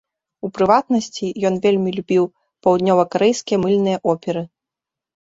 У прыватнасці, ён вельмі любіў паўднёвакарэйскія мыльныя оперы.